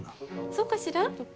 そうかしら？